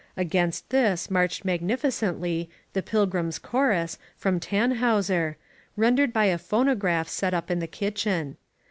'' Against this marched magnificently "The Pilgrim's Chorus" from Tann hauser, rendered by a phonograph set up in the kitchen.